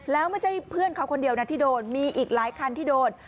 แล้วไม่ใช่เพื่อนเขาคนเดียวนะที่โดนมีอีกหลายคันที่โดน